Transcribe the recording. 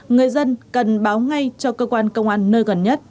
người dân cần báo ngay cho cơ quan công an nơi gần nhất